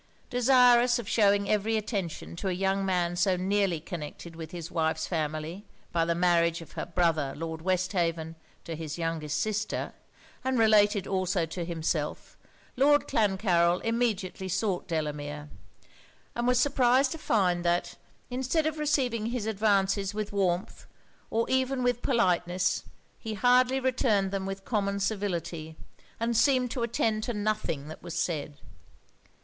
Desirous of shewing every attention to a young man so nearly connected with his wife's family, by the marriage of her brother, Lord Westhaven, to his youngest sister, and related also to himself, Lord Clancarryl immediately sought Delamere; and was surprised to find, that instead of receiving his advances with warmth or even with politeness, he hardly returned them with common civility, and seemed to attend to nothing that was said.